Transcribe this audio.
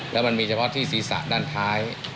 แล้วมันมีเฉพาะที่ศีรษะด้านท้าย